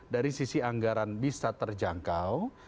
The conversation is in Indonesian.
dari sisi anggaran bisa terjangkau